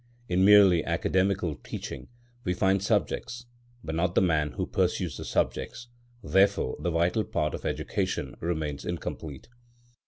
In merely academical teaching we find subjects, but not the man who pursues the subjects; therefore the vital part of education remains incomplete.